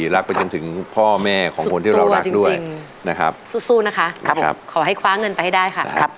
รักไปจนถึงพ่อแม่ของคนที่เรารักด้วยนะครับสู้นะคะขอให้คว้าเงินไปให้ได้ค่ะ